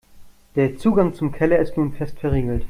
Der Zugang zum Keller ist nun fest verriegelt.